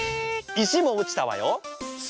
石も落ちたわよ。